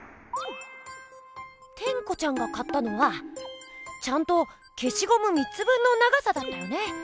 テンコちゃんが買ったのはちゃんとけしごむ３つ分の長さだったよね。